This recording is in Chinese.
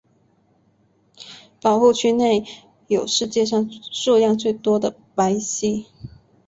保护区内有世界上数量最多的白犀。